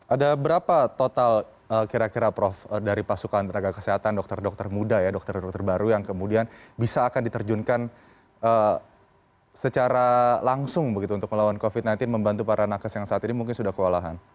ada berapa total kira kira prof dari pasukan tenaga kesehatan dokter dokter muda ya dokter dokter baru yang kemudian bisa akan diterjunkan secara langsung begitu untuk melawan covid sembilan belas membantu para nakes yang saat ini mungkin sudah kewalahan